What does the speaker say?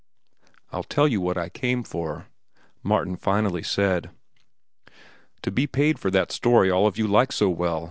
"I'll tell you what I came for," Martin said finally. "To be paid for that story all of you like so well.